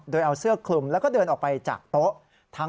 โดยเอาเสื้อคลุมแล้วก็เดินออกไปจากโต๊ะ